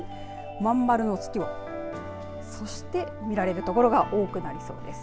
まん丸の月を見られるところが多くなりそうです。